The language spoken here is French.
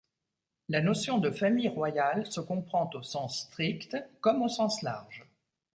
La notion de famille royale se comprend au sens strict comme au sens large.